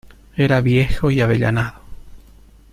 era viejo y avellanado: